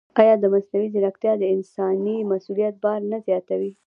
ایا مصنوعي ځیرکتیا د انساني مسؤلیت بار نه زیاتوي؟